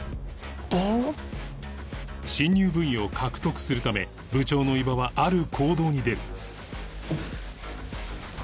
新入部員を獲得するため部長の伊庭はある行動に出る